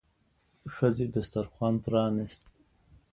ښځې دسترخوان پرانيست.